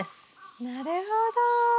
なるほど。